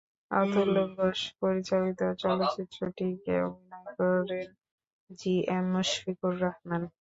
অতুল্য ঘোষ পরিচালিত চলচ্চিত্রটিতে অভিনয় করেন জি এম মুশফিকুর রহমান।